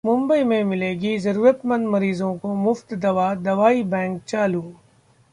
मुंबई में मिलेगी जरूरतमंद मरीजों को मुफ्त दवा, दवाई बैंक चालू